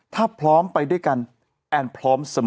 ถ้าพร้อมไปด้วยกันแอนพร้อมเสมอ